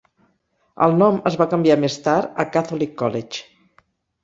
El nom es va canviar més tard a Catholic College.